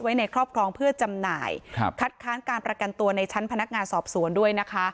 ในครอบครองเพื่อจำหน่ายครับคัดค้านการประกันตัวในชั้นพนักงานสอบสวนด้วยนะคะ